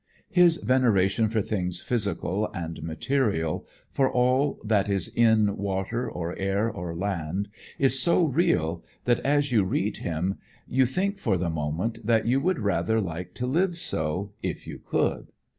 His veneration for things physical and material, for all that is in water or air or land, is so real that as you read him you think for the moment that you would rather like to live so if you could.